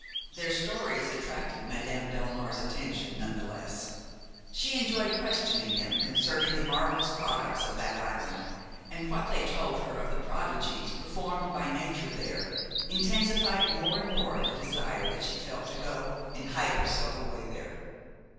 Their stories attracted Madame Delmare's attention, none the less; she enjoyed questioning them concerning the marvelous products of that island, and what they told her of the prodigies performed by nature there intensified more and more the desire that she felt to go and hide herself away there.